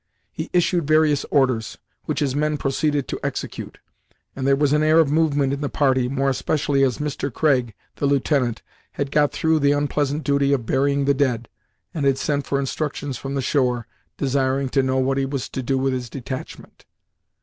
He issued various orders, which his men proceeded to execute, and there was an air of movement in the party, more especially as Mr. Craig, the lieutenant, had got through the unpleasant duty of burying the dead, and had sent for instructions from the shore, desiring to know what he was to do with his detachment.